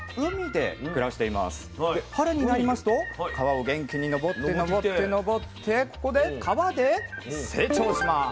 で春になりますと川を元気に上って上って上ってここで川で成長します。